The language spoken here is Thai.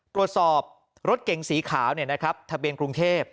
ตรวจสอบรถเก่งสีขาวเนี่ยนะครับทะเบียนกรุงเทพ